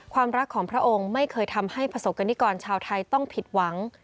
ความรักของพระองค์ไม่เคยทำให้ประสบกรณิกรชาวไทยต้องผิดหวัง